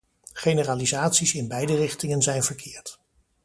Generalisaties in beide richtingen zijn verkeerd.